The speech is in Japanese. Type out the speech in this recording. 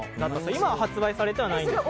今、発売されてはいないんです。